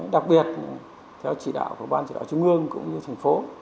đặc biệt theo chỉ đạo của ban chỉ đạo trung ương cũng như thành phố